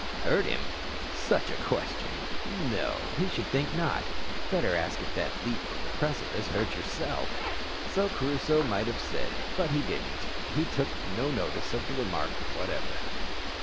Hurt him? such a question! No, he should think not; better ask if that leap from the precipice hurt yourself. So Crusoe might have said, but he didn't; he took no notice of the remark whatever.